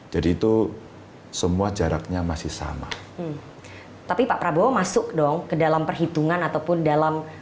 jadi itu semua jaraknya masih sama tapi pak prabowo masuk dong ke dalam perhitungan ataupun dalam